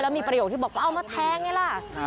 มีประโยคที่บอกว่าเอามาแทงไงล่ะ